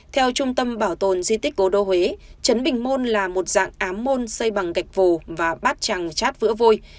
theo trung tâm bảo tồn di tích gỗ đô huế chấn bình môn là một dạng ám môn xây bằng gạch vồ và bát trăng chát vữa vôi